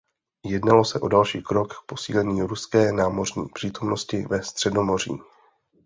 Jednalo se o další krok k posílení ruské námořní přítomnosti ve Středomoří.